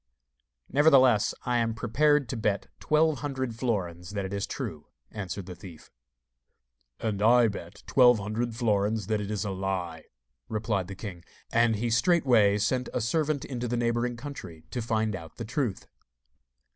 'Nevertheless I am prepared to bet twelve hundred florins that it is true,' answered the thief. 'And I bet twelve hundred florins that it is a lie,' replied the king. And he straightway sent a servant into the neighbouring country to find out the truth.